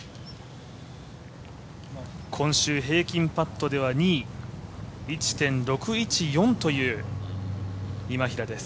今週、平均パットでは２位１．６１４という今平です。